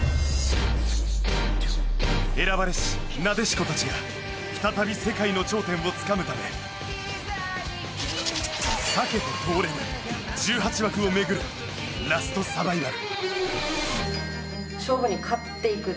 選ばれしなでしこたちが再び世界の頂点をつかむため避けて通れない１８枠を巡るラストサバイバル。